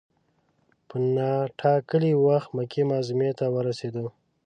په نا ټا کلي وخت مکې معظمې ته ورسېدو.